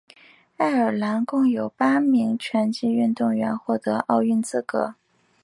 爱尔兰共有八名拳击运动员获得奥运资格。